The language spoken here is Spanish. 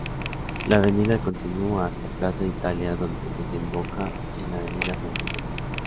La avenida continúa hasta Plaza Italia donde desemboca en la Avenida Santa Fe.